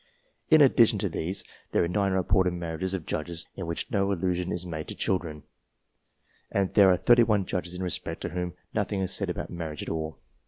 In addition to these, there are 9 reported marriages of judges in which no allusion is made to children, and there are 31 judges in respect to whom nothing is said about marriage at all.